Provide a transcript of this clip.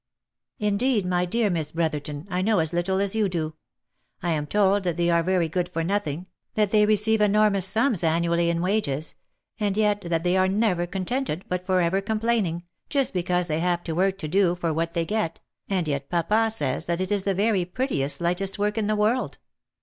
" Indeed, my dear Miss Brotherton, I know as little as you do. I am told that they are very good for nothing, that they receive enormous sums annually in wages, and yet that they are never contented, but for ever complaining, just because they have work to do for what they OF MICHAEL ARMSTRONG. 107 get, and yet papa says that it is the very prettiest lightest work in the world.